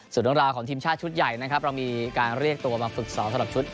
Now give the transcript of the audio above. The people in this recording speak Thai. ส่วนเรื่องราวของทีมชาติชุดใหญ่นะครับเรามีการเรียกตัวมาฝึกสอนสำหรับชุด